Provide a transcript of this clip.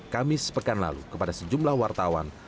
kamis pekan lalu kepada sejumlah wartawan